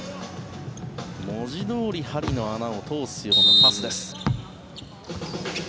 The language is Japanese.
文字どおり針の穴を通すようなパスです。